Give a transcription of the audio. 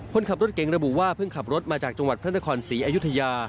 คนขับรถเก๋งระบุว่าเพิ่งขับรถมาจากจังหวัดพระนครศรีอยุธยา